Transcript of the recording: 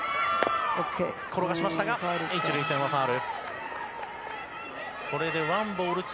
転がしましたが１塁線はファウル。